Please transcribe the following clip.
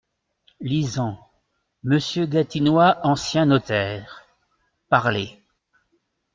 Lisant. "Monsieur Gatinois, ancien notaire." Parlé.